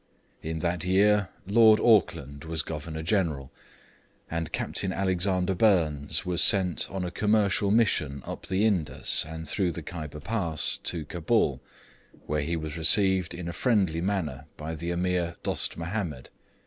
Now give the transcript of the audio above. In that year Lord Auckland was Governor General, and Captain Alexander Burnes was sent on a commercial mission up the Indus, and through the Kyber Pass, to Cabul, where he was received in a friendly manner by the Ameer Dost Mahomed.